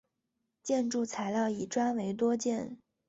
建筑材料以砖为多见。